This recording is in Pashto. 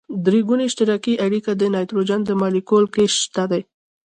درې ګوني اشتراکي اړیکه د نایتروجن په مالیکول کې شته ده.